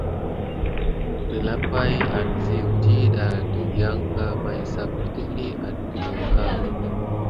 Telapay anziyek diɗɑ dəbiyanka may sap də teky adaddəɗ əŋka.